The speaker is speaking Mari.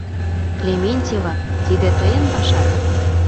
Клементьева, тиде тыйын пашат?